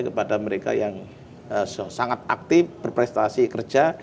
kepada mereka yang sangat aktif berprestasi kerja